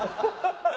ハハハハ。